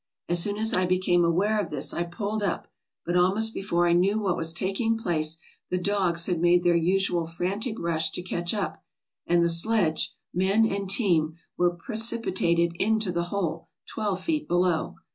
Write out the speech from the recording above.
As soon as I became aware of this I pulled up; but almost before I knew what was taking place the dogs had made their usual frantic rush to catch up, and the sledge, men and team were precipitated into the hole, twelve feet below.